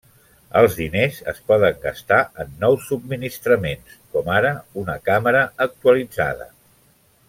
Els diners es poden gastar en nous subministraments, com ara una càmera actualitzada.